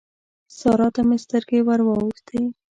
سارا ته مې سترګې ور واوښتې.